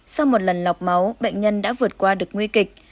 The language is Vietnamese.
sau một lần lọc máu bệnh nhân đã vượt qua được nguy kịch